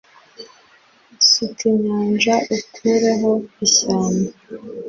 Suka inyanja ukureho ishyamba